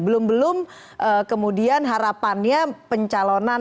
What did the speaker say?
belum belum kemudian harapannya pencalonan